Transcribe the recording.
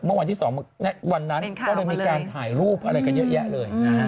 เมื่อวันที่๒วันนั้นก็เลยมีการถ่ายรูปอะไรกันเยอะแยะเลยนะฮะ